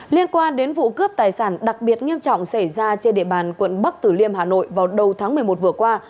liên quan đến vụ cướp tài sản đặc biệt nghiêm trọng xảy ra trên địa bàn quận bắc tử liêm hà nội vào đầu tháng một mươi một vừa qua